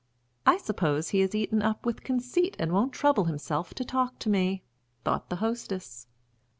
"I suppose he is eaten up with conceit and won't trouble himself to talk to me," thought the hostess.